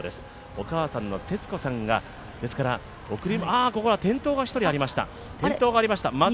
お母さんのセツコさんがあっ、ここは転倒がありました。